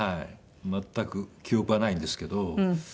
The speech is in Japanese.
全く記憶はないんですけど。